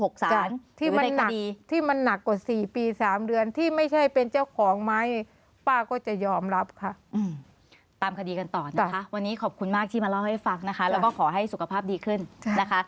วันนี้ขอบคุณมากที่มาเล่าให้ฟังนะคะแล้วก็ขอให้สุขภาพดีขึ้นนะคะ